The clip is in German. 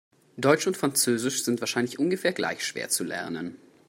Deutsch und Französisch sind wahrscheinlich ungefähr gleich schwer zu erlernen.